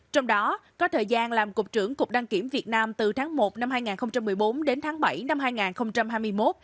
trong đó có thời gian làm cục trưởng cục đăng kiểm việt nam từ tháng một năm hai nghìn một mươi bốn đến tháng bảy năm hai nghìn hai mươi một